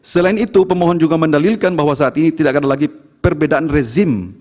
selain itu pemohon juga mendalilkan bahwa saat ini tidak ada lagi perbedaan rezim